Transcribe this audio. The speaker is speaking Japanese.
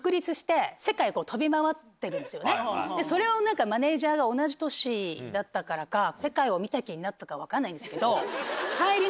それを何かマネジャーが同じ年だったからか世界を見た気になったか分かんないんですけど。